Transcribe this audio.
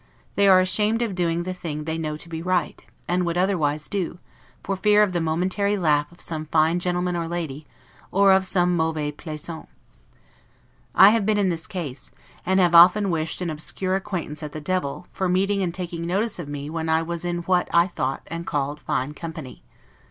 They are ashamed of doing the thing they know to be right, and would otherwise do, for fear of the momentary laugh of some fine gentleman or lady, or of some 'mauvais plaisant'. I have been in this case: and have often wished an obscure acquaintance at the devil, for meeting and taking notice of me when I was in what I thought and called fine company.